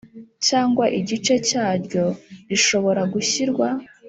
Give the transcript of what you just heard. cyangwa igice cyaryo rishobora gushyirwa